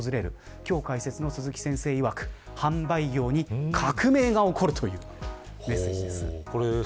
今日解説の鈴木先生いわく販売業に革命が起こるということです。